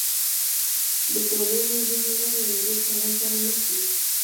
د ټولنې ځینې غړي له دې چلند سره مخ دي.